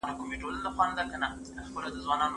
که د توليد کيفيت ښه وي صادرات به ډير سي.